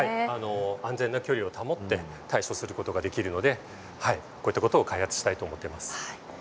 安全な距離を保って対処することができるのでこういったことを開発したいと思います。